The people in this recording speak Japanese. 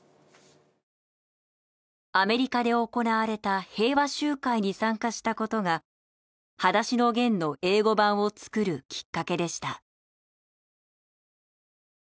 アメリカで行われた平和集会に参加したことが『はだしのゲン』の英語版を作るきっかけでした。